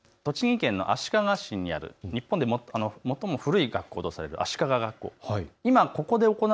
栃木県の足利市にある日本で最も古い学校とされる足利学校。